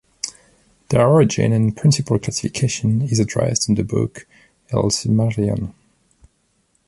Their origin and principal classification is addressed in the book "Il Silmarillion".